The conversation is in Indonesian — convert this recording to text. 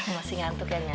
masih ngantuk ian ya